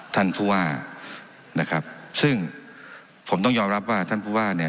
ท่านผู้ว่านะครับซึ่งผมต้องยอมรับว่าท่านผู้ว่าเนี่ย